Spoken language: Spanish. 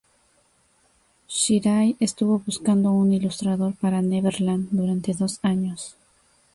Shirai estuvo buscando un ilustrador para "Neverland" durante dos años.